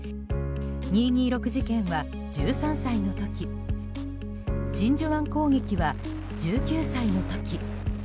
二・二六事件は１３歳の時真珠湾攻撃は１９歳の時。